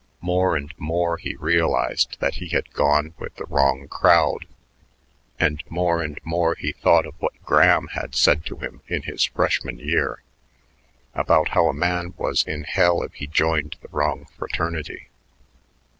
More and more he realized that he had "gone with the wrong crowd," and more and more he thought of what Graham had said to him in his freshman year about how a man was in hell if he joined the wrong fraternity.